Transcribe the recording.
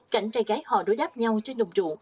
cảnh trai gái họ đối đáp nhau trên đồng trụ